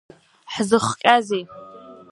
Ҳзыхҟьазеи?